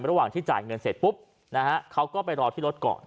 ระหว่างที่จ่ายเงินเสร็จปุ๊บนะฮะเขาก็ไปรอที่รถก่อน